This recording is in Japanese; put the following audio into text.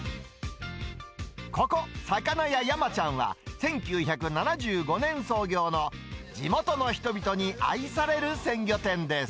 ここ、魚屋山ちゃんは、１９７５年創業の地元の人々に愛される鮮魚店です。